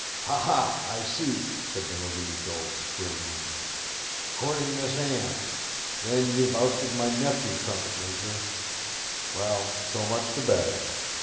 'Ha, ha, I see!' said the relieved old squireen. 'Courting Miss Anne! Then you've ousted my nephew, trumpet major! Well, so much the better.